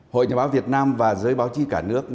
hội nhà báo việt nam và giới báo chí cả nước